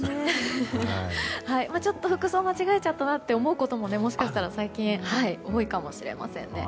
ちょっと服装を間違えちゃったなって思うことももしかしたら最近、多いかもしれないですね。